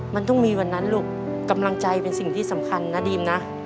มันต้องมีวันนั้นลูกกำลังใจเป็นสิ่งที่สำคัญนะดีมนะ